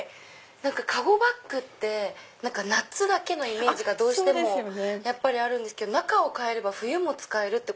籠バッグって夏だけのイメージがどうしてもあるんですけど中を替えれば冬も使える。